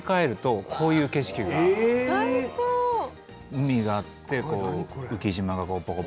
海があって浮島がこう。